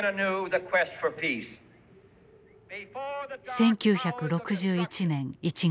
１９６１年１月。